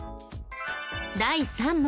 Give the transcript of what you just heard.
第３問。